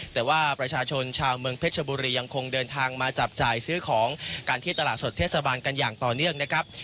แต่ว่าประชาชนชาวเมืองเพชรชบุรียังคงเดินทางมาจับจ่ายซื้อของกันที่ตลาดสดเทศบาลกันอย่างต่อเนื่องนะครับ